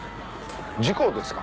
事故ですか？